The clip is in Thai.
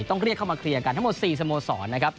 ต้องเรียกเข้ามาเคลียร์กันทั้งหมด๔สโมสรนะครับ